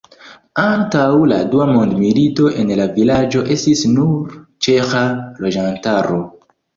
Antaŭ la dua mondmilito en la vilaĝo estis nur ĉeĥa loĝantaro.